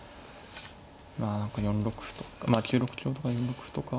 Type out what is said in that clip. まあ何か４六歩とかまあ９六香とか４六歩とか。